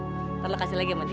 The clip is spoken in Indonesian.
ntar lu kasih lagi sama dia